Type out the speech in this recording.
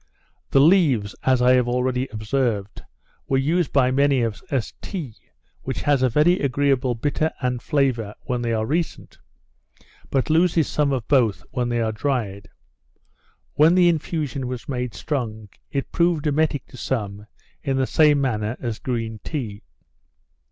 The leaves, as I have already observed, were used by many of us as tea, which has a very agreeable bitter and flavour when they are recent, but loses some of both when they are dried. When the infusion was made strong, it proved emetic to some in the same manner as green tea.